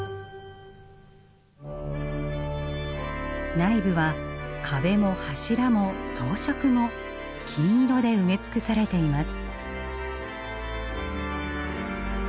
内部は壁も柱も装飾も金色で埋め尽くされています。